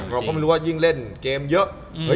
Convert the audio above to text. เราก็ไม่รู้ว่ายิ่งเล่นเกมเยอะ